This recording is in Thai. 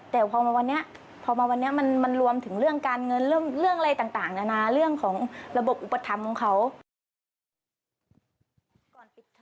แต่พอมาวันนี้พอมาวันนี้มันรวมถึงเรื่องการเงินเรื่องอะไรต่างนานาเรื่องของระบบอุปถัมภ์ของเขา